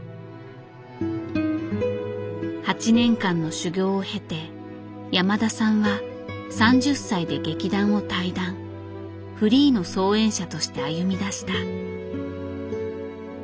８年間の修業を経て山田さんは３０歳で劇団を退団フリーの操演者として歩みだした。